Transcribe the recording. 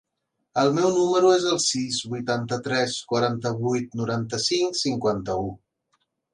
El meu número es el sis, vuitanta-tres, quaranta-vuit, noranta-cinc, cinquanta-u.